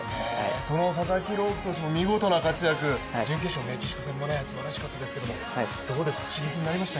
その佐々木朗希選手も見事な活躍、準決勝のメキシコ戦も見事でしたけれどもどうですか、刺激になりました？